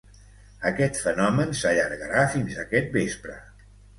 Aquest fenomen s’allargarà fins aquest vespre.